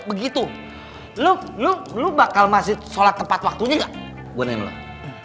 begitu lu lu lu bakal masih sholat tepat waktunya enggak gue nanya lu